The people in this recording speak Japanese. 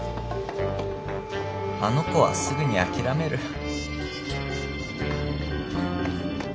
あの子はすぐに諦める。